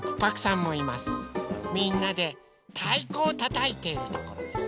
みんなでたいこをたたいているところです。